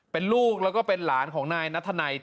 เป็นลูกแล้วก็เป็นหลานของนายนัทธนัย